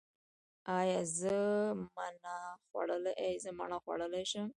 ایا زه مڼه خوړلی شم؟